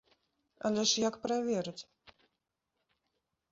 Але ж як праверыць?